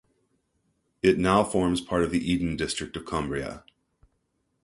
It now forms part of the Eden district of Cumbria.